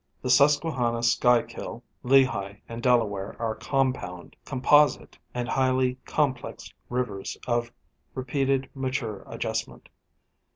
The Susque hanna, Schuylkill, Lehigh and Delaware are compound, composite and highly complex rivers, of repeated mature adjustment.